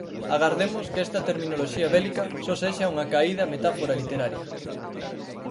Agardemos que esta terminoloxía bélica só sexa unha acaída metáfora literaria.